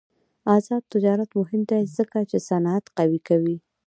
آزاد تجارت مهم دی ځکه چې صنعت قوي کوي.